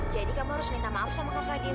jadi kamu harus minta maaf sama kak fadil